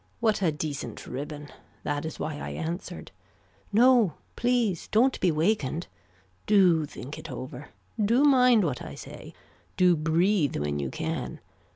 What a decent ribbon. That is why I answered. No please don't be wakened. Do think it over. Do mind what I say. Do breathe when you can.